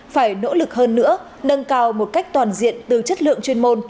phải nỗ lực hơn nữa nâng cao một cách toàn diện từ chất lượng chuyên môn